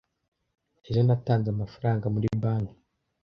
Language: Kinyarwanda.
Ejo natanze amafaranga muri banki.